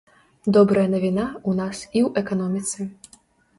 Добрая навіна ў нас і ў эканоміцы.